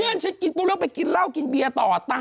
เพื่อนฉันกินไปกินเหล้ากินเบียร์ต่อตาย